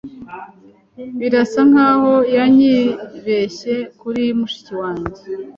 Birasa nkaho yanyibeshye kuri mushiki wanjye.